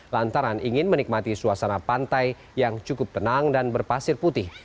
lantaran ingin menikmati suasana pantai yang cukup tenang dan berpasir putih